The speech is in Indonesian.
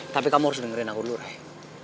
tapi kamu harus dengerin aku dulu raya